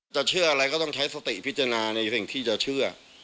จะเชื่ออะไรก็ต้องใช้สติพิจนาในเพื่อนที่จะเชื่อ